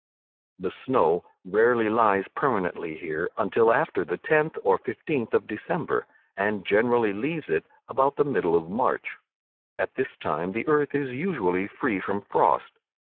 The snow rarely lies permanently here until after the tenth or fifteenth of December, and generally leaves it about the middle of March: at this time the earth is usually free from frost.